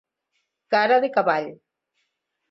Cara de cavall.